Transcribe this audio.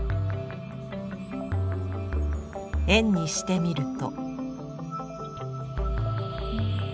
円にしてみると？